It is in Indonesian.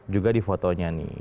juga di fotonya nih